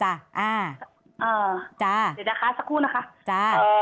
เดี๋ยวนะคะสักครู่นะคะจ้า